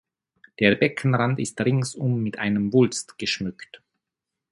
Der Beckenrand ist ringsum mit einem Wulst geschmückt.